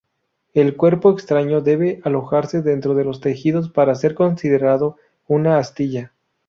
El cuerpo extraño debe alojarse dentro de los tejidos para ser considerado una astilla.